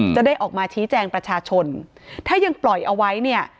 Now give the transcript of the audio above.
จะได้ออกมาชี้แจงประชาชนถ้ายังปล่อยเอาไว้เนี่ย